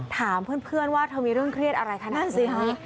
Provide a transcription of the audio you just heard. ถามเพื่อนว่าเธอมีเรื่องเครียดอะไรขนาดนี้